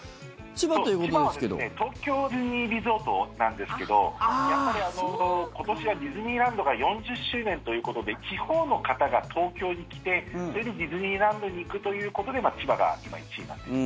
千葉は東京ディズニーリゾートですけどやっぱり今年はディズニーランドが４０周年ということで地方の方が東京に来てそれでディズニーランドに行くということで千葉が今、１位になっている。